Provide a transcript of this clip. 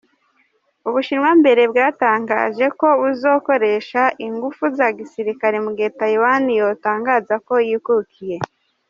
Ubushinwa mbere bwaratangaje ko buzokoresha inguvu za gisirikare mu gihe Taiwan yotangaza ko yikukiye.